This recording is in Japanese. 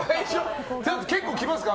結構来ますか？